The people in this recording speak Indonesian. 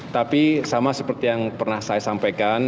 tapi sama seperti yang pernah saya sampaikan